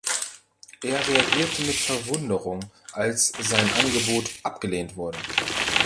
Er reagierte mit Verwunderung, als sein Angebot abgelehnt wurde.